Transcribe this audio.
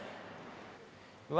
うわ